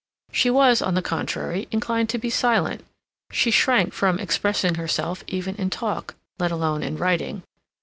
She was, on the contrary, inclined to be silent; she shrank from expressing herself even in talk, let alone in writing.